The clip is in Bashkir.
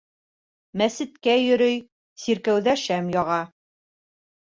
Мәсеткә йөрөй, сиркәүҙә шәм яға.